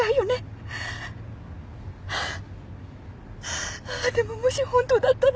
ああでももし本当だったら。